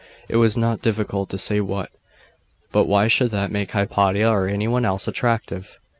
it was not difficult to say what.... But why should that make Hypatia or any one else attractive?